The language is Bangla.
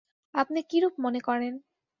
আপনি কিরূপ মনে করেন?